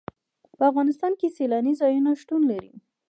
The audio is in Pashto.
په افغانستان کې سیلانی ځایونه شتون لري.